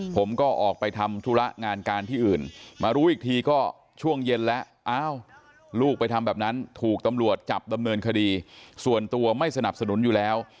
ผมก็ออกไปทำธุระงานการที่อื่นมารู้อีกทีก็ช่วงเย็นแล้วอ้าวลูกไปทำแบบนั้นถูกตำรวจจับดำเนินคดีส่วนตัวไม่สนับสนุนอยู่แล้ว